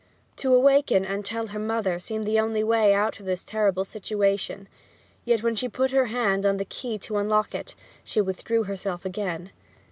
To awaken and tell her mother seemed her only way out of this terrible situation; yet when she put her hand on the key to unlock it she withdrew herself again.